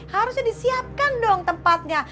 harusnya disiapkan dong tempatnya